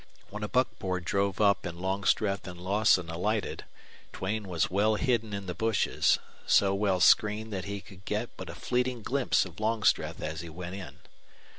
When a buckboard drove up and Longstreth and Lawson alighted, Duane was well hidden in the bushes, so well screened that he could get but a fleeting glimpse of Longstreth as he went in.